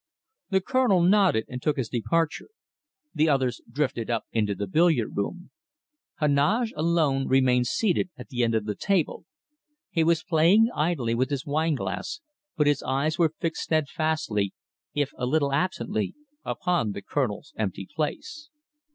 The Colonel nodded and took his departure. The others drifted up into the billiard room. Heneage alone remained seated at the end of the table. He was playing idly with his wineglass, but his eyes were fixed steadfastly, if a little absently, upon the Colonel's empty place.